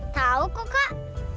tahu kok kak